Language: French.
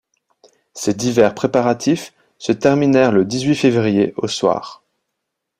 Ces divers préparatifs se terminèrent le dix-huit février au soir.